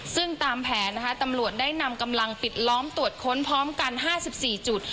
ซึ่งตามแผนนะคะตำรวจได้นำกำลังปิดล้อมตรวจค้นพร้อมกัน๕๔จุด